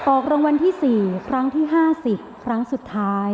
ออกรางวัลที่๔ครั้งที่๕๐ครั้งสุดท้าย